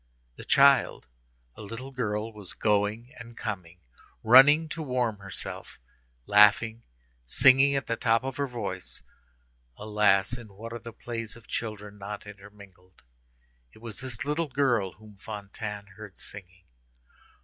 The child—a little girl—was going and coming, running to warm herself, laughing, singing at the top of her voice. Alas! in what are the plays of children not intermingled. It was this little girl whom Fantine heard singing.